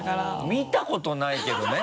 見たことないけどね。